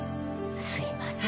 すいません。